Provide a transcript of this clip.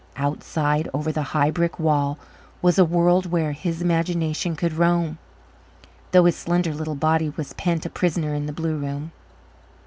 Outside, over the high brick wall, was a world where his imagination could roam, though his slender little body was pent a prisoner in the blue room.